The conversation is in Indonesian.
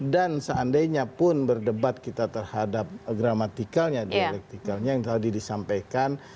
dan seandainya pun berdebat kita terhadap grammatikalnya dialektikalnya yang tadi disampaikan